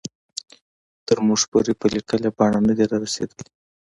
تر موږ پورې په لیکلې بڼه نه دي را رسېدلي.